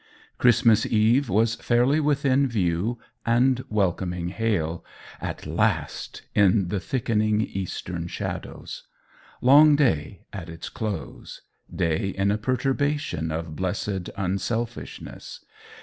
Christmas Eve was fairly within view and welcoming hail, at last, in the thickening eastern shadows. Long Day at its close. Day in a perturbation of blessed unselfishness.